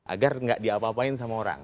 agar nggak diapa apain sama orang